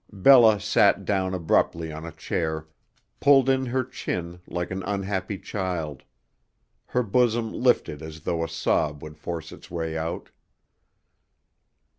Bella sat down abruptly on a chair, pulled in her chin like an unhappy child; her bosom lifted as though a sob would force its way out.